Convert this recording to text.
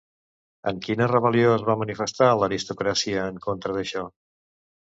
En quina rebel·lió es va manifestar l'aristocràcia en contra d'això?